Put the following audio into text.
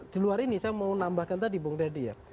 di luar ini saya mau nambahkan tadi bung dedy ya